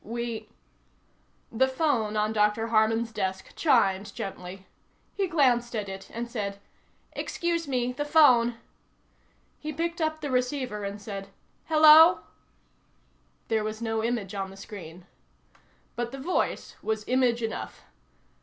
"We " The phone on Dr. Harman's desk chimed gently. He glanced at it and said: "Excuse me. The phone." He picked up the receiver and said: "Hello?" There was no image on the screen. But the voice was image enough.